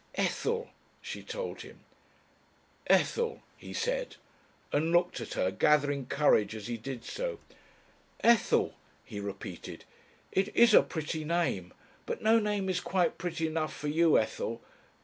"Ethel," she told him. "Ethel," he said and looked at her, gathering courage as he did so. "Ethel," he repeated. "It is a pretty name. But no name is quite pretty enough for you, Ethel